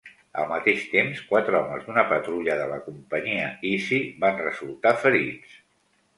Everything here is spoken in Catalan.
Al mateix temps, quatre homes d'una patrulla de la companyia Easy van resultar ferits.